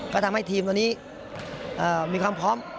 ก็ทำให้ทีมตัวนี้มีความพร้อม